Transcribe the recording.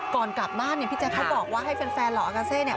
ก่อนกลับบ้านเนี่ยพี่แจ๊คเขาบอกว่าให้แฟนเหล่าอากาเซเนี่ย